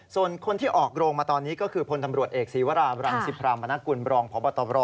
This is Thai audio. ส่วนคนที่ออกโรงมาตอนนี้ก็คือพนธรรมรวชเอกศีวราบรรค์๑๕มปบ